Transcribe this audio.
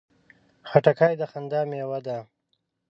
خټکی د خندا مېوه ده.